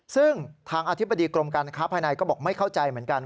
ซึ่งทางอธิบดีกรมการค้าภายในก็บอกไม่เข้าใจเหมือนกัน